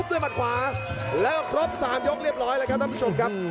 หมัดขวาแล้วครบ๓ยกเรียบร้อยแล้วครับท่านผู้ชมครับ